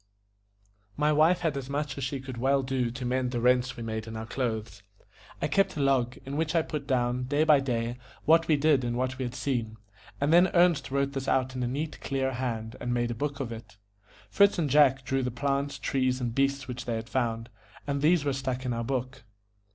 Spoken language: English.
My wife had as much as she could well do to mend the rents we made in our clothes. I kept a log, In which I put down, day by day, what we did and what we had seen; and then Ernest wrote this out in a neat, clear hand, and made a book of it. Fritz and Jack drew the plants, trees, and beasts which they had found, and these were stuck in our book.